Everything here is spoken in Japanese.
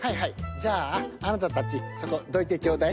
じゃああなたたちそこどいてちょうだい。